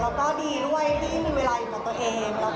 แล้วก็ดีด้วยที่มีเวลาอยู่กับตัวเอง